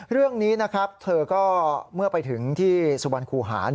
เรื่องนี้นะครับเธอก็เมื่อไปถึงที่สุบันคูหา